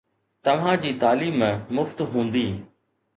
توهان جي تعليم مفت هوندي